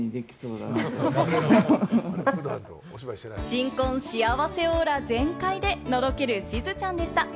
新婚幸せオーラ全開でのろけるしずちゃんでした。